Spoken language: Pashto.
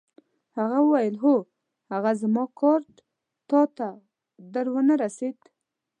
هغه وویل: هو، هغه زما کارډ تا ته در ونه رسید؟